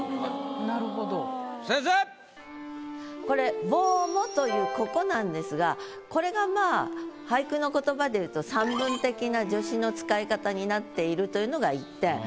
これ「をも」というここなんですがこれがまあ俳句の言葉で言うと散文的な助詞の使い方になっているというのが一点。